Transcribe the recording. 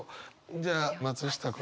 じゃあ松下君。